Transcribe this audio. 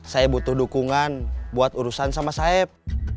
saya butuh dukungan buat urusan sama saib